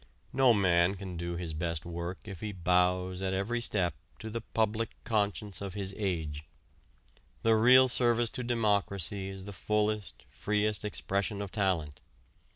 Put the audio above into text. No man can do his best work if he bows at every step to the public conscience of his age. The real service to democracy is the fullest, freest expression of talent.